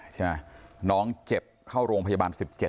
ใช่ไหมน้องเจ็บเข้าโรงพยาบาล๑๗